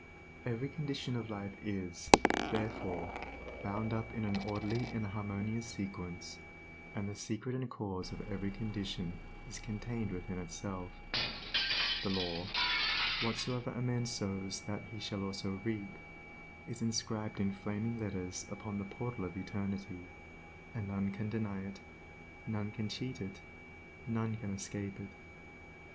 Every condition of life is, therefore, bound up in an orderly and harmonious sequence, and the secret and cause of every condition is contained within itself, The law, "Whatsoever a man sows that shall he also reap," is inscribed in flaming letters upon the portal of Eternity, and none can deny it, none can cheat it, none can escape it.